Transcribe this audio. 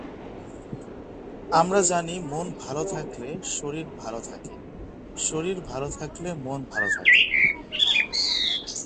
আমরা জানি, মন ভালো থাকলে শরীর ভালো থাকে, শরীর ভালো থাকলে মন ভালো থাকে।